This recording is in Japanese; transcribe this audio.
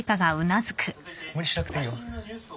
無理しなくていいよ。